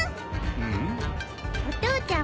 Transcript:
うん？